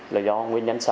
là do nguyên nhân xã hội